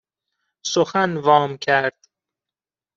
سخن وام کرد